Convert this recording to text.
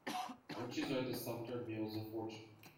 Riches are the sumpter mules of fortune.